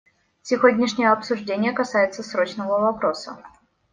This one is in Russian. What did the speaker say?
Сегодняшнее обсуждение касается срочного вопроса.